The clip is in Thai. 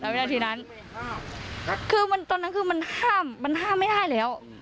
มันห้ามไม่ได้แล้ว